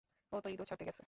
ও তো ইদুর ছাড়তে গেছে।